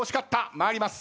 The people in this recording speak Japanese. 参ります。